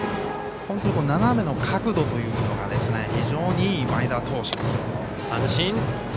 本当に斜めの角度というのが非常にいい前田投手です。